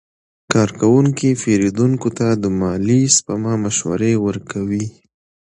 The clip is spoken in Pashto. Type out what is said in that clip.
کارکوونکي پیرودونکو ته د مالي سپما مشورې ورکوي.